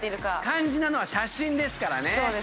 肝心なのは写真ですからね。